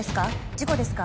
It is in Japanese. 事故ですか？